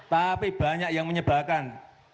tapi banyak yang menyebalkan